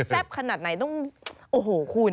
แซ่บขนาดไหนต้องอ่อโหวคุณ